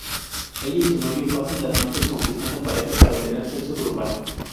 Ella y su novio pasan las noches conquistando parejas para tener sexo grupal.